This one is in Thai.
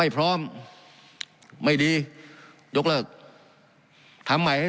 การปรับปรุงทางพื้นฐานสนามบิน